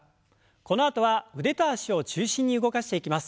このあとは腕と脚を中心に動かしていきます。